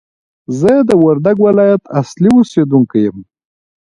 زه د وردګ ولایت اصلي اوسېدونکی یم!